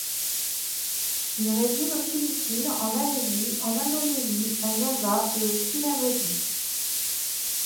Il réside aux Philippines, en Malaisie, en Indonésie, à Java et au Sulawesi.